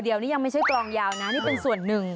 เดี๋ยวนี้ยังไม่ใช่กลองยาวนะนี่เป็นส่วนหนึ่ง